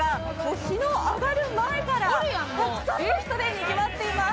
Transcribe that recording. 日の上がる前からたくさんの人でにぎわっています。